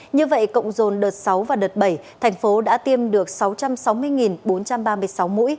như vậy cộng dồn đợt sáu và đợt bảy thành phố đã tiêm được sáu mũi vaccine phòng covid một mươi chín trong ngày ba tháng tám